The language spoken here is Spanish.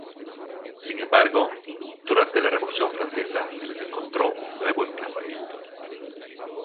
Sin embargo, durante la Revolución francesa se les encontró un nuevo emplazamiento.